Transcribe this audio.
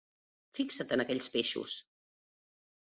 Fixa't en aquells peixos!